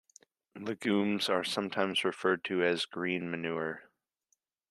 Legumes are sometimes referred to as "green manure".